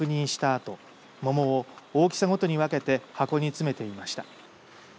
あと桃を大きさごとに分けて箱に詰めていました。